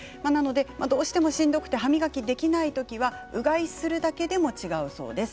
どうしても、しんどくて歯磨きができないときはうがいをするだけでも違うそうです。